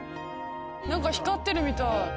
光ってるみたい。